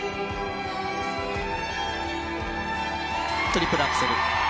トリプルアクセル。